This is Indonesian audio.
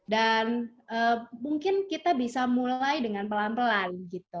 dan mungkin kita bisa mulai dengan pelan pelan